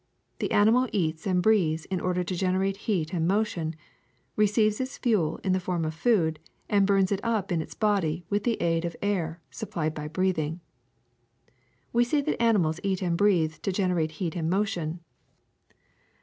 The animal eats and breathes in order to generate heat and motion, re ceives its fuel in the form of food, and burns it up in its body with the aid of air supplied by breathing. "We say that animals eat and breathe to generate heat and motion.